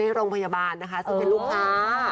โรงพยาบาลนะคะซึ่งเป็นลูกค้า